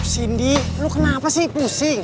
sindi lo kenapa sih pusing